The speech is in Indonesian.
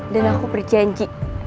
dan aku berjanji